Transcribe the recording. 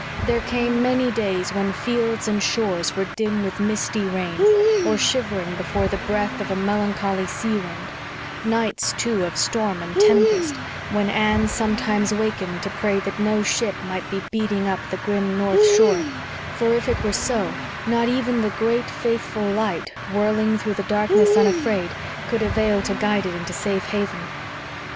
There came many days when fields and shores were dim with misty rain, or shivering before the breath of a melancholy sea wind nights, too, of storm and tempest, when Anne sometimes wakened to pray that no ship might be beating up the grim north shore, for if it were so not even the great, faithful light whirling through the darkness unafraid, could avail to guide it into safe haven.